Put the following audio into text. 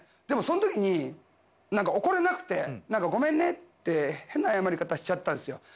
でも、その時に怒れなくて何かごめんねって変な謝り方しちゃったんです。